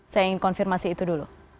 saya ingin konfirmasi itu dulu